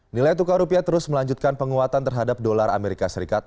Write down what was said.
nilai tukar rupiah terus melanjutkan penguatan terhadap dolar amerika serikat